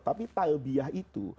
tapi talbiah itu